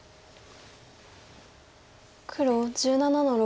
黒１７の六。